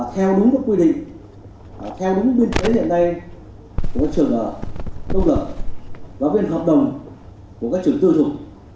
theo đúng các quy định theo đúng biên tế hiện nay của các trường công lập và viên hợp đồng của các trường tư thuộc